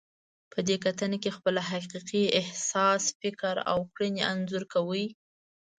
په دې کتنه کې خپل حقیقي احساس، فکر او کړنې انځور کوئ.